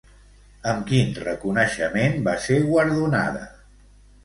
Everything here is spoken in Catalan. I amb quin reconeixement va ser guardonada?